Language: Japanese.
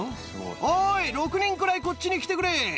おーい、６人くらいこっちに来てくれ。